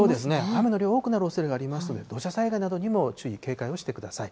雨の量、多くなるおそれがありますので、土砂災害などにも注意、警戒をしてください。